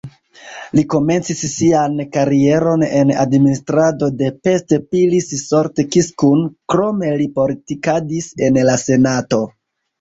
Li komencis sian karieron en administrado de Pest-Pilis-Solt-Kiskun, krome li politikadis en la senato.